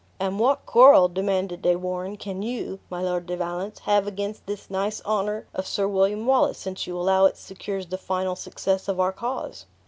"And what quarrel," demanded De Warenne, "can you, my Lord de Valence, have against this nice honor of Sir William Wallace, since you allow it secures the final success of our cause?"